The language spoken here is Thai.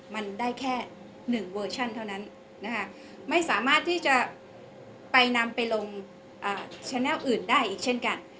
มันได้แค่๑เวอร์ชั่นเท่านั้นนะคะไม่สามารถที่จะไปนำไปลงแชนัลอื่นได้อีกเช่นกัน